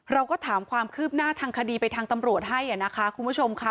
เราก็ถามความคืบหน้าทางคดีไปทางตำรวจให้นะคะคุณผู้ชมค่ะ